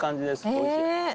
おいしい。